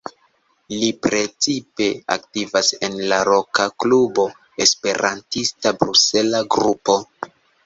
Li precipe aktivas en la loka klubo Esperantista Brusela Grupo.